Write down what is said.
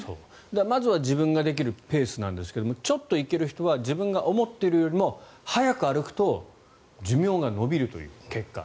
まずは自分ができるペースなんですがちょっといける人は自分が思ってるより速く歩くと寿命が延びるという結果。